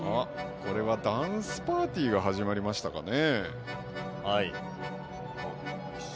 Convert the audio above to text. これはダンスパーティーが始まりましたかね。